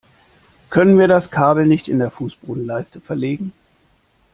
Können wir das Kabel nicht in der Fußbodenleiste verlegen?